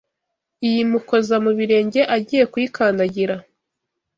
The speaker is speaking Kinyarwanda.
Iyimukoza mu birenge agiye kuyikandagira